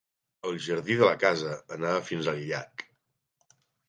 El jardí de la casa anava fins al llac.